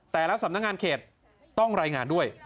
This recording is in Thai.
แต่ละสำนักงานเขตต้องรายงานด้วย